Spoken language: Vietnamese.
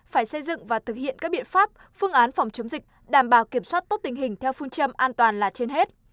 phải xây dựng và thực hiện các biện pháp phương án phòng chống dịch đảm bảo kiểm soát tốt tình hình theo phương châm an toàn là trên hết